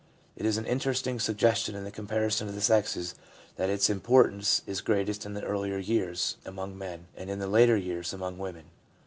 It is an interesting suggestion in the comparison of the sexes that its importance is greatest in the earlier years among men, and in the later years among women.